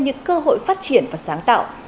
những cơ hội phát triển và sáng tạo